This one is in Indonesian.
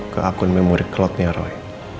ke akun memori clotnya roy